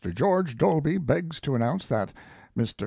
GEORGE DOLBY begs to announce that MR.